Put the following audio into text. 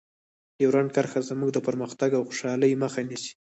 ډیورنډ کرښه زموږ د پرمختګ او خوشحالۍ مخه نیسي.